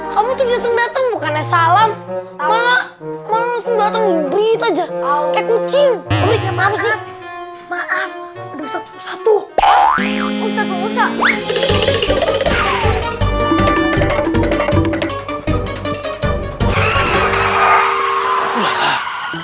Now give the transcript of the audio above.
kamu tuh dateng dateng bukannya salam malah malah